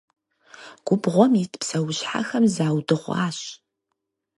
Губгъуэм ит псэущхьэхэм заудыгъуащ.